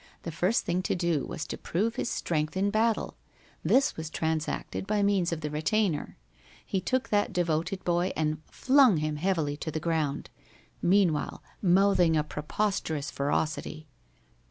The first thing to do was to prove his strength in battle. This was transacted by means of the retainer. He took that devoted boy and flung him heavily to the ground, meanwhile mouthing a preposterous ferocity.